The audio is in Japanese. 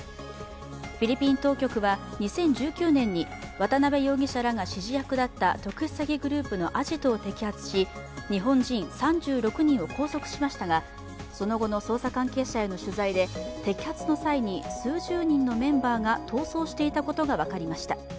フィリピン当局は２０１９年に渡辺容疑者らが指示役だった特殊詐欺グループのアジトを摘発し日本人３６人を拘束しましたがその後の捜査関係者への取材で摘発の際に、数十人のメンバーが逃走していたことが分かりました。